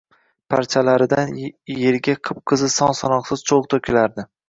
Parchalaridan yerga qip-qizil son-sanoqsiz cho‘g‘ to‘kilardi